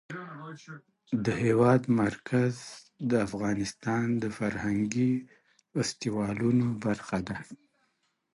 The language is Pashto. د هېواد مرکز د افغانستان د فرهنګي فستیوالونو برخه ده.